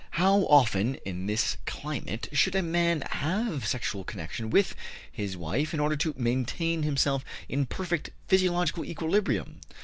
How often, in this climate, should a man have sexual connection with his wife in order to maintain himself in perfect physiological equilibrium?